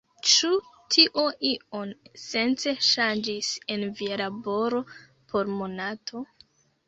Ĉu tio ion esence ŝanĝis en via laboro por Monato?